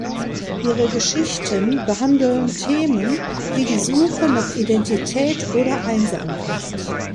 Ihre Geschichten behandeln Themen wie die Suche nach Identität oder Einsamkeit.